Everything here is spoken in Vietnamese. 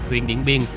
huyện điện biên